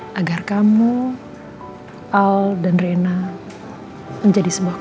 babak empat innalah